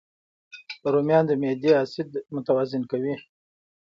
رومیان د معدې اسید متوازن کوي